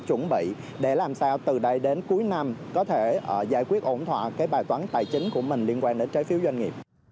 chuẩn bị để làm sao từ nay đến cuối năm có thể giải quyết ổn thỏa cái bài toán tài chính của mình liên quan đến trái phiếu doanh nghiệp